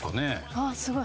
ああすごい。